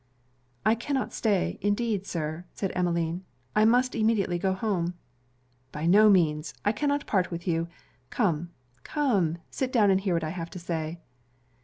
'I cannot stay, indeed Sir,' said Emmeline . 'I must immediately go home.' 'By no means; I cannot part with you. Come, come, sit down and hear what I have to say.'